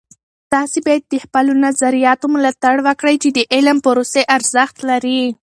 تاسې باید د خپلو نظریاتو ملاتړ وکړئ چې د علم د پروسې ارزښت لري.